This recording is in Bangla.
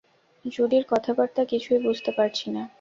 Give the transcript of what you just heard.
জুডির কথাবার্তা কিছুই বুঝতে পারছি না।